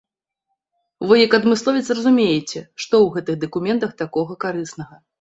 Вы як адмысловец разумееце, што ў гэтых дакументах такога карыснага.